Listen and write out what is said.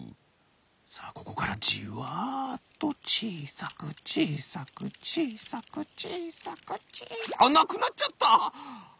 さあここからじわっとちいさくちいさくちいさくちいさくちいさくあっなくなっちゃった！